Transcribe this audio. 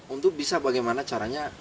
untuk bisa bagaimana caranya